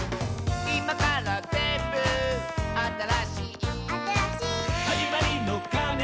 「いまからぜんぶあたらしい」「あたらしい」「はじまりのかねが」